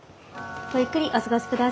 ごゆっくりお過ごしください。